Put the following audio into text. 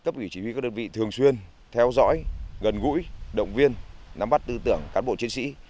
bị thường xuyên theo dõi gần gũi động viên nắm bắt tư tưởng cán bộ chiến sĩ